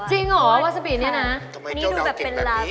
จริงอ๋อวัสบีนี้นะตรงนี้ดูแบบเป็นแบบนี้